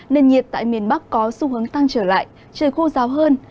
nền nhiệt tại miền bắc có xu hướng tăng trở lại trời khô ráo hơn